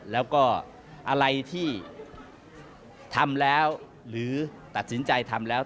แล้วก็อะไรที่ทำแล้วหรือตัดสินใจทำแล้ว